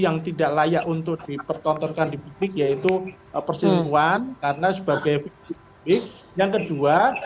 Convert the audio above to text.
yang tidak layak untuk dipertontonkan di publik yaitu perselingkuhan karena sebagai publik yang kedua